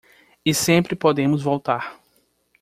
E sempre podemos voltar.